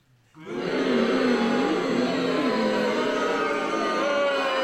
Aɣemɣum-nni yuɣ akk igenni.